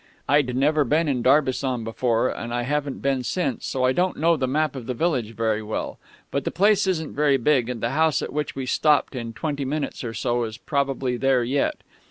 "I'd never been in Darbisson before, and I haven't been since, so I don't know the map of the village very well. But the place isn't very big, and the house at which we stopped in twenty minutes or so is probably there yet.